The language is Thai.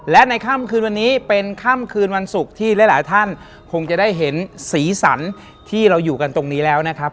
และในค่ำคืนวันนี้เป็นค่ำคืนวันศุกร์ที่หลายท่านคงจะได้เห็นสีสันที่เราอยู่กันตรงนี้แล้วนะครับ